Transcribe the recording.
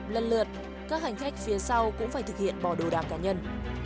lần lượt các hành khách phía sau cũng phải thực hiện bỏ đồ đạc cá nhân